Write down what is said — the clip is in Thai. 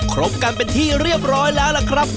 ครบกันเป็นที่เรียบร้อยแล้วล่ะครับ